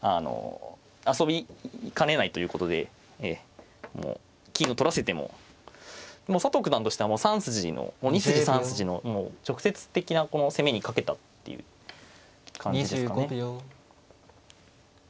遊びかねないということで金を取らせても佐藤九段としては３筋の２筋３筋の直接的な攻めに懸けたっていう感じですかね。